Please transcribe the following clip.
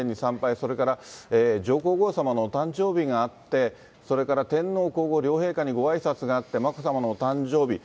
それから上皇后さまのお誕生日があって、それから天皇皇后両陛下にごあいさつがあって、眞子さまのお誕生日。